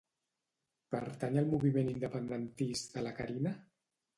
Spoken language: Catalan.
Pertany al moviment independentista la Carina?